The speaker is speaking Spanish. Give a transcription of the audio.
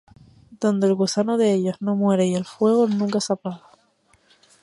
Donde el gusano de ellos no muere, y el fuego nunca se apaga.